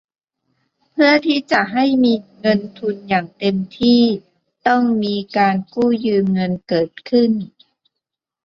เพื่อที่จะให้มีเงินทุนอย่างเต็มที่ ต้องมีการกู้ยืมเงินเกิดขึ้น